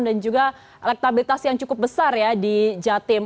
dan juga elektabilitas yang cukup besar ya di jatim